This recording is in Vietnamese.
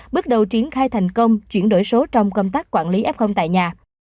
bước đầu triển khai thành công chuyển đổi số trong công tác quản lý f tại nhà